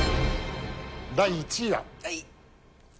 第１位は。